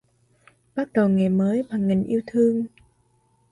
Bắt đầu ngày mới bằng nghìn yêu thương.